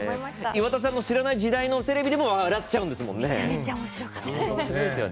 岩田さんの知らない時代のテレビでも笑っちゃうんですよね。